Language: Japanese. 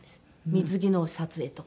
水着の撮影とか。